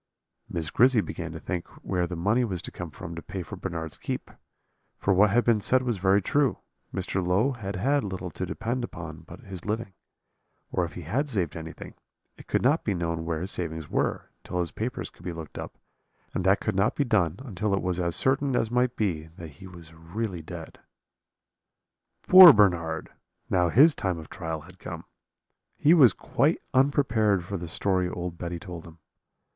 "Miss Grizzy began to think where the money was to come from to pay for Bernard's keep; for what had been said was very true, Mr. Low had had little to depend upon but his living; or if he had saved anything, it could not be known where his savings were, till his papers could be looked up, and that could not be done until it was as certain as might be that he was really dead. "Poor Bernard! now his time of trial had come: he was quite unprepared for the story old Betty told him.